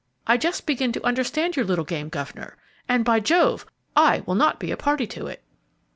I just begin to understand your little game, governor, and, by Jove! I will not be a party to it."